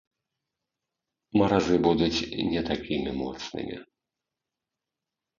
Маразы будуць не такімі моцнымі.